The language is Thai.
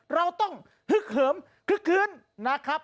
เราต้องฮึกเหิมคึกคืนนะครับ